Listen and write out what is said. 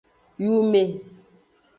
Yume.